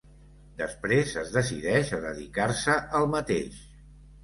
Després es decideix a dedicar-se al mateix.